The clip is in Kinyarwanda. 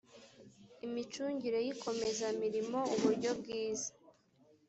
imicungire y ikomeza mirimo uburyo bwiza